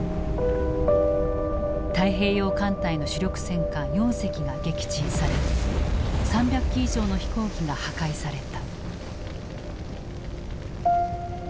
太平洋艦隊の主力戦艦４隻が撃沈され３００機以上の飛行機が破壊された。